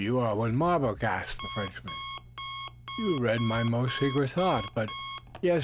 You are one marvel!" gasped the Frenchman. "You read my most secret thought. But yes!